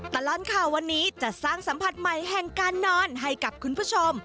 ตลอดข่าววันนี้จะสร้างสัมผัสใหม่แห่งการนอนให้กับคุณผู้ชม